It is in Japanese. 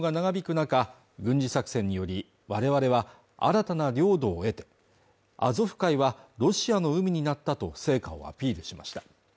中軍事作戦により我々は新たな領土を得てアゾフ海はロシアの海になったと成果をアピールしました